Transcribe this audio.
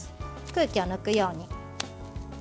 空気を抜くように。